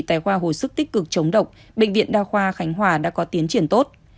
tại khoa hồi sức tích cực chống độc bệnh viện đa khoa khánh hòa đã có tiến triển tốt